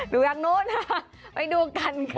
ดูทางนู้นไปดูกันค่ะ